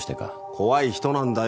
怖い人なんだよ